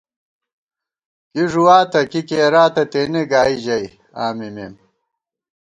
کی ݫُواتہ کی کېراتہ تېنےگائی ژَئی، آں مِمېم